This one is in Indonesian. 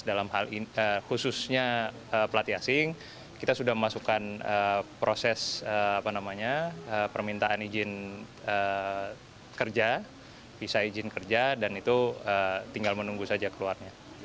dalam hal ini khususnya pelatih asing kita sudah memasukkan proses permintaan izin kerja visa izin kerja dan itu tinggal menunggu saja keluarnya